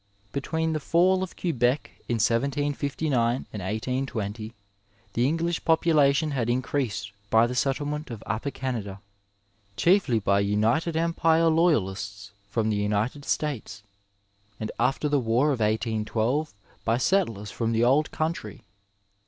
^ Between the fall of Quebec in 1759 and 1820, the English population had increased by the settlement of Upper Canada, chiefly by United Empire loyalists from the United States, and after the war of 1812 by settlers from the old country.